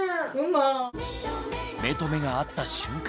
目と目があった瞬間